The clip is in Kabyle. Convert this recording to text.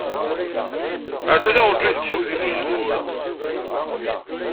Rnu taɣenjayt n wudi n uzemmur.